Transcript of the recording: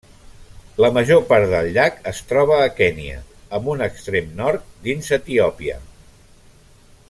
La major part del llac es troba a Kenya, amb un extrem nord dins Etiòpia.